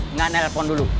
enggak nelfon dulu